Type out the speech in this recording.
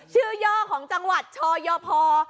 ชื่อย่อของจังหวัดชอยพอ